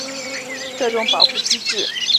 这种保护机制常被弱小者所用。